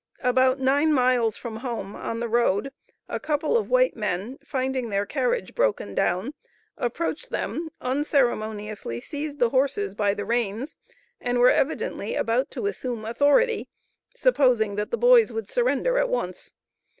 About nine miles from home on the road, a couple of white men, finding their carriage broken down approached them, unceremoniously seized the horses by the reins and were evidently about to assume authority, supposing that the boys would surrender at once.